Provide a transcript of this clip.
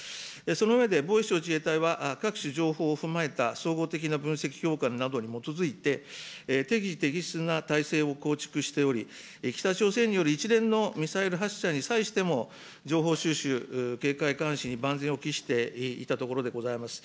その上で、防衛省・自衛隊は各種情報を踏まえた総合的な分析評価などに基づいて、適時適切な体制を構築しており、北朝鮮による一連のミサイル発射に際しても、情報収集、警戒監視に万全を期していたところでございます。